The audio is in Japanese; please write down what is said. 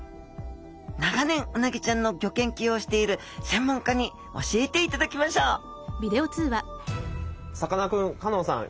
長年うなぎちゃんのギョ研究をしている専門家に教えていただきましょうさかなクン香音さん